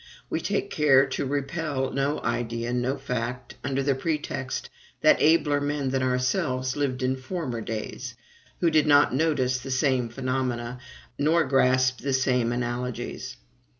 We take care to repel no idea, no fact, under the pretext that abler men than ourselves lived in former days, who did not notice the same phenomena, nor grasp the same analogies.